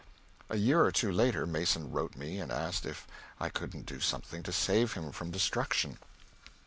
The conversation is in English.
A year or two later Mason wrote me and asked me if I couldn't do something to save him from destruction.